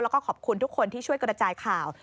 แล้วก็ขอบคุณทุกคนที่ช่วยกระจายข่าว